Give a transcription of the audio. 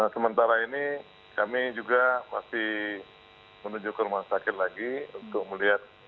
sementara ini kami juga masih menuju ke rumah sakit lagi untuk melihat